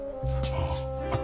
ああ。